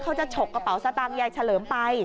ฉกกระเป๋าสตางค์ยายเฉลิมไป